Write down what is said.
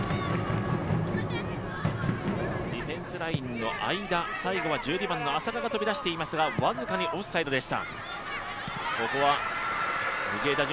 ディフェンスラインの間最後は浅田が飛び出していましたが僅かにオフサイドでした。